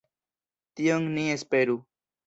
Tion ni esperu.